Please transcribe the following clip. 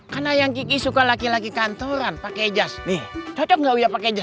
karena yang kiki suka laki laki kantoran pakai jas nih cocok nggak pakai jas